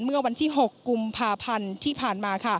เมื่อวันที่๖กุมภาพันธ์ที่ผ่านมา